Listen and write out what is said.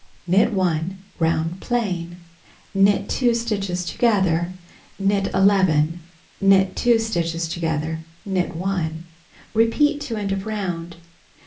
Knit 1 round plain. Knit 2 stitches together, knit 11, knit 2 stitches together, knit 1. Repeat to end of round.